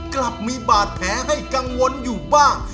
กลับมีบาดแผลให้กังวลอยู่บ้าง